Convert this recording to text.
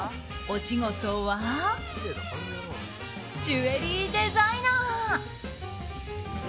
お仕事はジュエリーデザイナー。